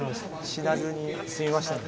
死なずにすみましたね。